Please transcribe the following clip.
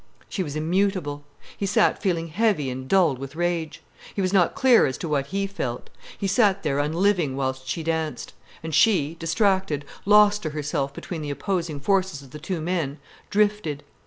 She was immutable. He sat feeling heavy and dulled with rage. He was not clear as to what he felt. He sat there unliving whilst she danced. And she, distracted, lost to herself between the opposing forces of the two men, drifted.